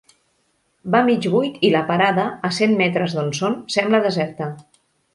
Va mig buit i la parada, a cent metres d'on són, sembla deserta.